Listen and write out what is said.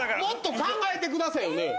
もっと考えてくださいよ。